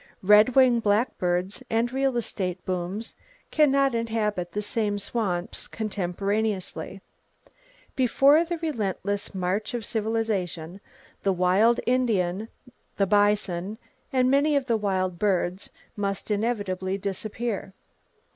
Red winged blackbirds and real estate booms can not inhabit the same swamps contemporaneously. Before the relentless march of civilization, the wild Indian, the bison and many of the wild birds must inevitably disappear.